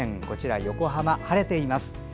こちら、晴れています。